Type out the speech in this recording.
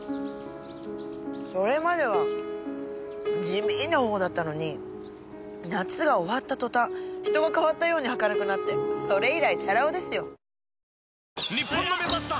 それまでは地味な方だったのに夏が終わった途端人が変わったように明るくなってそれ以来チャラ男ですよ。